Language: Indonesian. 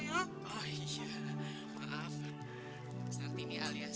jalan ini nggak bisa keterlaluan